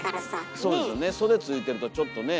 そうですよね袖ついてるとちょっとねえ。